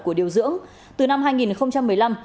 của điều dưỡng từ năm hai nghìn một mươi năm